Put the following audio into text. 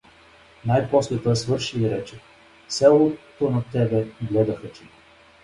Най-после той свърши и рече: — Селото на тебе гледа, хаджи.